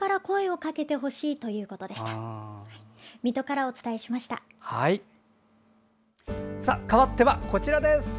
かわっては、こちらです。